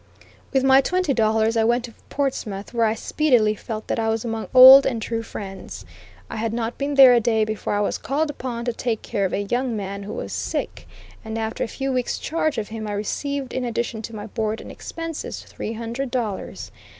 With my twenty dollars I went to Portsmouth, where I speedily felt that I was among old and true friends. I had not been there a day before I was called upon to take care of a young man who was sick, and after a few weeks charge of him I received in addition to my board and expenses, three hundred dollars.